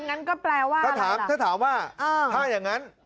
งั้นก็แปลว่าถ้าถามถ้าถามว่าถ้าอย่างนั้น